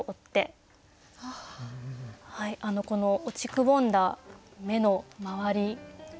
落ちくぼんだ目の周り。